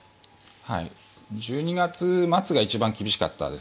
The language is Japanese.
１２月末が一番厳しかったです。